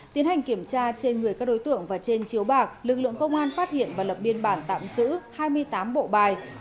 tiến hành kiểm tra trên người các đối tượng và trên chiếu bạc lực lượng công an phát hiện và lập biên bản tạm giữ hai mươi tám bộ bài